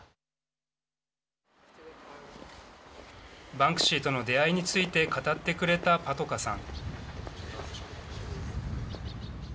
バンクシーとの出会いについて語ってくれたパトカさん。